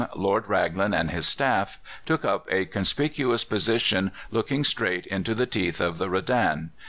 Lord Raglan and his staff took up a conspicuous position looking straight into the teeth of the Redan.